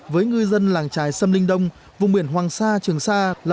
với ngư dân làng trài sâm linh đông vùng biển hoàng sa trường sa